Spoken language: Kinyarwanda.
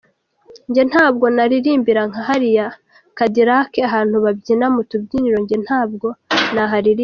Njye ntabwo naririmbira nka hariya Cadillac, ahantu babyinira, mu tubyiniro njye nabwo naharirimbira.